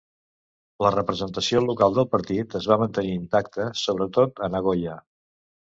La representació local del partit es va mantenir intacte, sobretot a Nagoya.